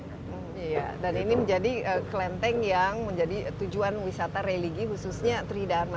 iya dan ini menjadi kelenteng yang menjadi tujuan wisata religi khususnya tridana